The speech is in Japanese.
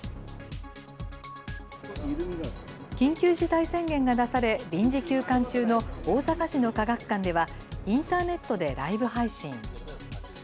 緊急事態宣言が出され、臨時休館中の大阪市の科学館では、インターネットでライブ配信。